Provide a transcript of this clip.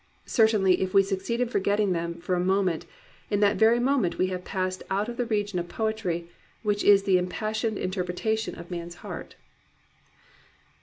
Certainly if we succeed in forgetting them for a moment, in that very moment we have passed out of the region of poetry, which is the impassioned interpretation of man's heart.